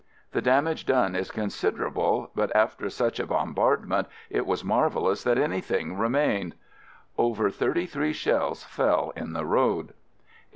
The damage done is considerable, but after such a bombardment it was marvelous that anything remained. Over thirty three shells fell in the road